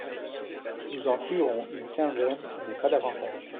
Nous en tuerons une quinzaine, mais pas davantage.